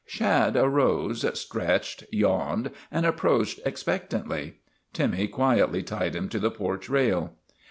Shad arose, stretched, yawned, and approached ex pectantly. Timmy quietly tied him to the porch rail.